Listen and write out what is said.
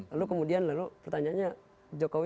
lalu kemudian pertanyaannya jokowi